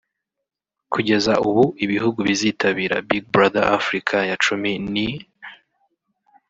Kugeza ubu ibihugu bizitabira Big Brother Africa ya cumi ni